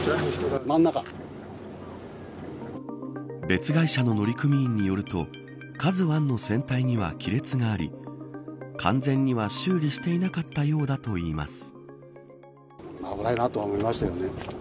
別会社の乗組員によるとＫＡＺＵ１の船体には亀裂があり完全には修理していなかったようだといいます。